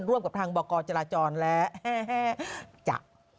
ร่วมกับทางบอกกรจราจรและ